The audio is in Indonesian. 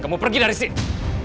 kamu pergi dari sini